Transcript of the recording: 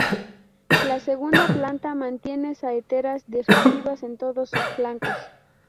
La segunda planta mantiene saeteras defensivas en todos sus flancos.